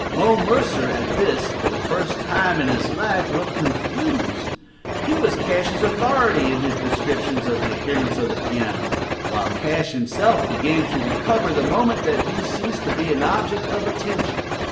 Mo Mercer at this, for the first time in his life, looked confused: he was Cash's authority in his descriptions of the appearance of the piano; while Cash himself began to recover the moment that he ceased to be an object of attention.